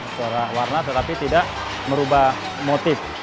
secara warna tetapi tidak merubah motif